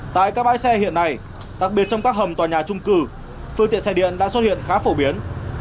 tại các bãi xe hiện nay đặc biệt trong các hầm tòa nhà trung cư phương tiện xe điện đã xuất hiện khá phổ biến